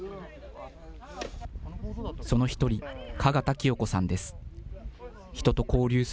その一人、加賀田清子さんです。